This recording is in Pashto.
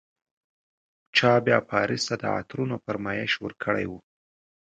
چا بیا پاریس ته د عطرونو فرمایش ورکړی و.